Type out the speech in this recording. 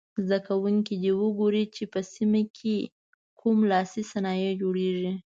زده کوونکي دې وګوري چې په سیمه کې یې کوم لاسي صنایع جوړیږي.